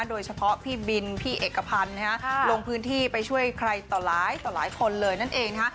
โดยเฉพาะพี่บินพี่เอกพันธ์ลงพื้นที่ไปช่วยใครต่อหลายต่อหลายคนเลยนั่นเองนะฮะ